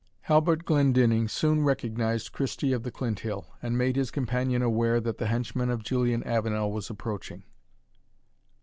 Halbert Glendinning soon recognized Christie of the Clinthill, and made his companion aware that the henchman of Julian Avenel was approaching.